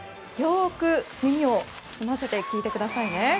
よく耳を澄ませて聴いてくださいね。